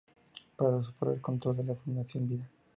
Para usurpar el control de la Fundación Vida.